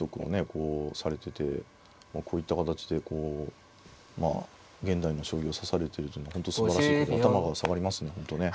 こうされててこういった形でこうまあ現代の将棋を指されてるというのは本当すばらしいことで頭が下がりますね本当ね。